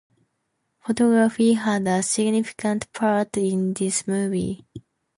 Photography had a significant part in this movie.